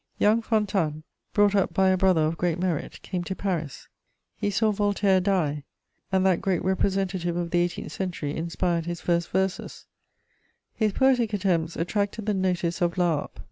Young Fontanes, brought up by a brother of great merit, came to Paris. He saw Voltaire die, and that great representative of the eighteenth century inspired his first verses: his poetic attempts attracted the notice of La Harpe.